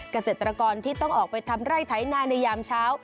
เกษตรกรที่ต้องออกไปทำไร่ไถนาในยามเช้า